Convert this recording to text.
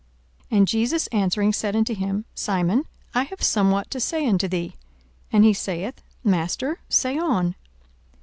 42:007:040 And Jesus answering said unto him, Simon, I have somewhat to say unto thee. And he saith, Master, say on.